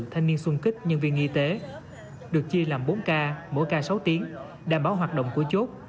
thanh niên sung kích nhân viên y tế được chia làm bốn ca mỗi ca sáu tiếng đảm bảo hoạt động của chốt